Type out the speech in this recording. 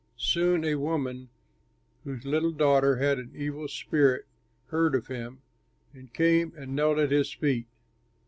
Soon a woman whose little daughter had an evil spirit heard of him and came and knelt at his feet.